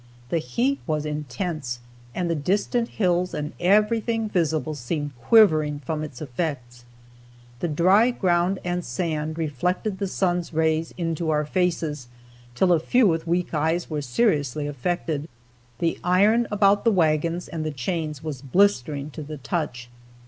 The heat was intense and the distant hills and everything visible seemed quivering from its effects. The dry ground and sand reflected the sun's rays into our faces, till a few with weak eyes were seriously affected. The iron about the wagons, and the chains were blistering to the touch.